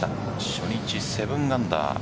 初日、７アンダー。